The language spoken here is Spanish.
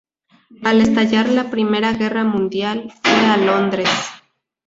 Al estallar la Primera Guerra Mundial fue a Londres.